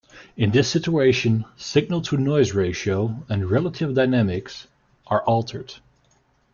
In this situation, signal-to-noise ratio and relative dynamics are altered.